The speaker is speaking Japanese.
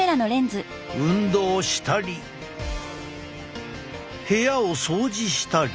運動したり部屋を掃除したり。